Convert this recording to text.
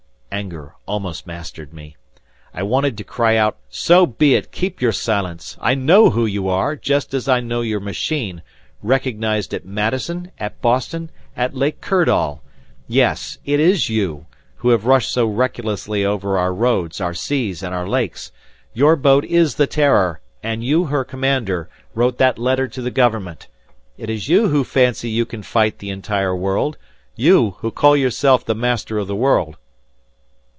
Anger almost mastered me. I wanted to cry out "So be it! Keep your silence! I know who you are, just as I know your machine, recognized at Madison, at Boston, at Lake Kirdall. Yes; it is you, who have rushed so recklessly over our roads, our seas and our lakes! Your boat is the 'Terror' and you her commander, wrote that letter to the government. It is you who fancy you can fight the entire world. You, who call yourself the Master of the World!"